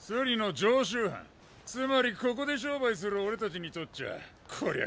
つまりここで商売する俺たちにとっちゃこりゃ